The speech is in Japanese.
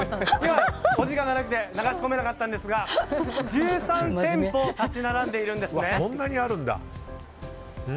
お時間がなくて流し込めなかったんですが１３店舗立ち並んでいるんですね。